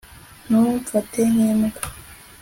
ntumfate nk'imbwa